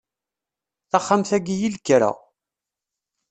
Taxxamt-ayi i lekra.